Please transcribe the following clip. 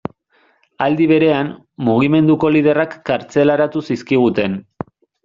Aldi berean, mugimenduko liderrak kartzelaratu zizkiguten.